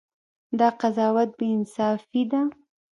دا قضاوت بې انصافي ده.